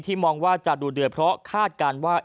มองว่าจะดูเดือดเพราะคาดการณ์ว่า